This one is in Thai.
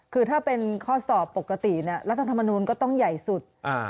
คือถ้าเป็นข้อสอบปกติรัฐธรรมนูลก็ต้องใหญ่สุด